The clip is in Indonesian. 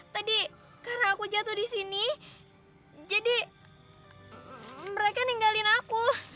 tadi karena aku jatuh di sini jadi mereka ninggalin aku